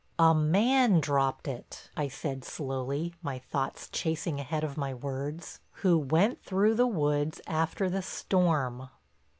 "A man dropped it," I said slowly, my thoughts chasing ahead of my words, "who went through the woods after the storm."